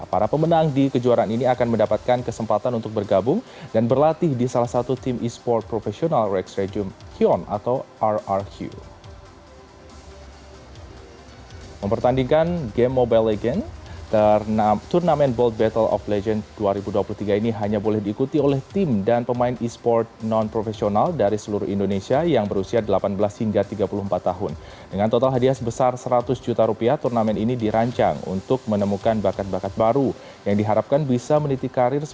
para pemenang di kejuaraan ini akan mendapatkan kesempatan untuk bergabung dan berlatih di salah satu tim esports profesional rek's regium hyon atau rrq